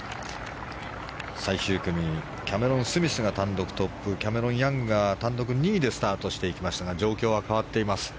最終組、キャメロン・スミスが単独トップキャメロン・ヤングが単独２位でスタートしていきましたが状況は変わっています。